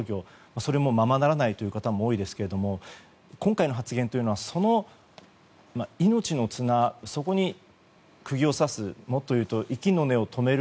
それもままならないという方も多いですが今回の発言というのはその命の綱そこに釘を刺すもっというと息の根を止める